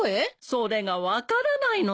それが分からないのよ。